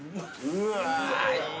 うわ